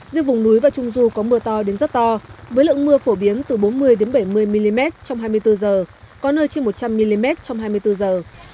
riêng vùng núi và trung du có mưa to đến rất to với lượng mưa phổ biến từ bốn mươi bảy mươi mm trong hai mươi bốn giờ có nơi trên một trăm linh mm trong hai mươi bốn giờ